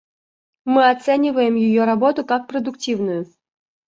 Мы оцениваем ее работу как продуктивную.